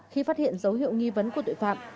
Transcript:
khi phát hiện dấu hiệu nghi vấn của tội phạm